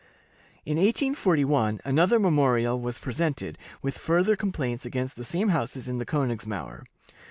In 1841 another memorial was presented, with further complaints against the same houses in the Königsmauer.